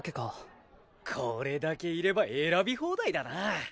これだけいれば選び放題だな！